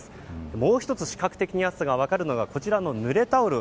もう１つ視覚的に暑さが分かるのがぬれタオル。